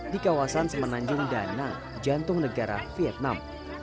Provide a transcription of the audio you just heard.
di kawasan semenanjung danang jantung negara vietnam